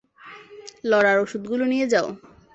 Lawler ওষুধগুলো নিয়ে যাও!